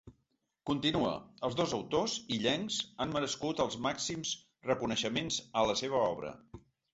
Continua: Els dos autors, illencs, han merescut els màxims reconeixements a la seva obra.